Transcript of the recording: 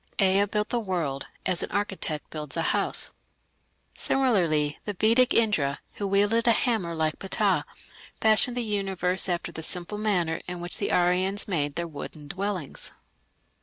Ea built the world "as an architect builds a house". Similarly the Vedic Indra, who wielded a hammer like Ptah, fashioned the universe after the simple manner in which the Aryans made their wooden dwellings.